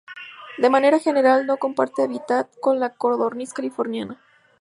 De manera general, no comparte hábitat con la codorniz californiana.